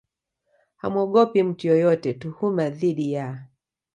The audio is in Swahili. hamuogopi mtu yeyote Tuhuma dhidi ya